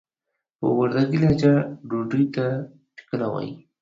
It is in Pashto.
په وردګي لهجه ډوډۍ ته ټکله وايي.